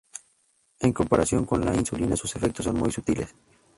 En comparación con la insulina sus efectos son muy sutiles.